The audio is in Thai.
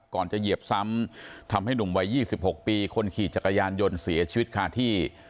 จะเหยียบซ้ำทำให้หนุ่มวัย๒๖ปีคนขี่จักรยานยนต์เสียชีวิตคาที่